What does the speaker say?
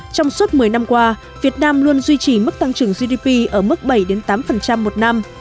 trong suốt một mươi năm qua việt nam luôn duy trì mức tăng trưởng gdp ở mức bảy tám một năm